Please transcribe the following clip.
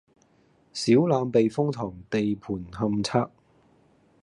小欖避風塘地盤勘測